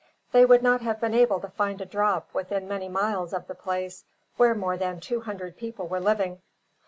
They would not have been able to find a drop within many miles of the place where more than two hundred people were living.